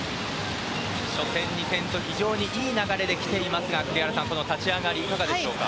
初戦、２戦と非常にいい流れできていますが栗原さん立ち上がりいかがでしょうか。